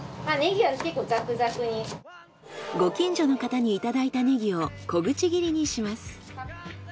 ご近所の方にいただいたねぎを小口切りにします。